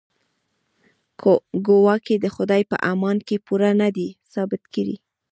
ګواکې د خدای په امانت کې پوره نه دی ثابت کړی.